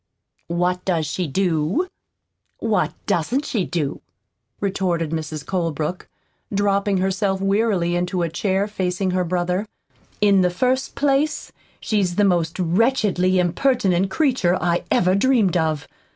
"What does she do? What doesn't she do?" retorted Mrs. Colebrook, dropping herself wearily into a chair facing her brother. "In the first place, she's the most wretchedly impertinent creature I ever dreamed of.